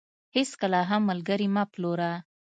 هيچ کله هم ملګري مه پلوره .